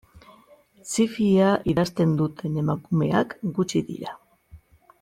Zi-fia idazten duten emakumeak gutxi dira.